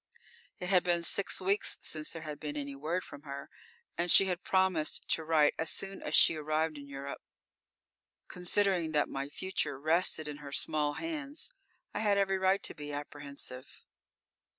It had been six weeks since there had been any word from her, and she had promised to write as soon as she arrived in Europe. Considering that my future rested in her small hands, I had every right to be apprehensive.